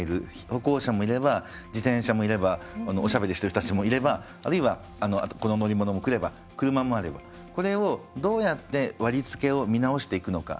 歩行者もいれば自転車もいればおしゃべりしてる人たちもいればあるいはこの乗り物も来れば車もあればこれをどうやって割り付けを見直していくのか。